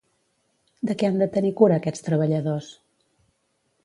De què han de tenir cura aquests treballadors?